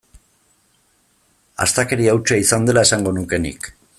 Astakeria hutsa izan dela esango nuke nik.